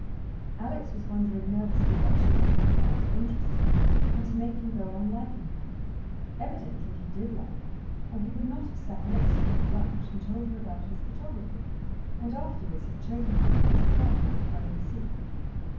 Alex was wondering nervously what she could talk about to interest him, and to make him go on liking her. Evidently he did like her, or he would not have sat next her at lunch and told her about his photography, and afterwards have chosen her for his partner at hide and seek.